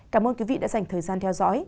cảm ơn quý vị đã dành thời gian theo dõi